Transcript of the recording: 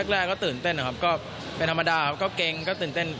แรกก็ตื่นเต้นนะครับก็เป็นธรรมดาครับก็เกรงก็ตื่นเต้น